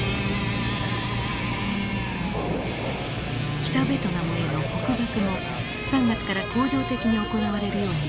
北ベトナムへの北爆も３月から恒常的に行われるようになりました。